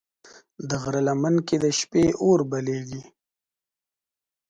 د غره لمن کې د شپې اور بلېږي.